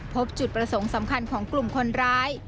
พบจุดประสงค์สำคัญของกลุ่มคนร้าย